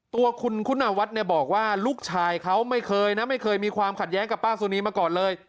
ตัวคุณคุณวัฒน์เนี่ยบอกว่าลูกชายเขาไม่เคยนะไม่เคยมีความขัดแย้งกับป้าสุนีมาก่อนเลย